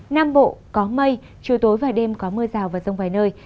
nam bộ có mây chiều tối và đêm có mưa rào và rông vài nơi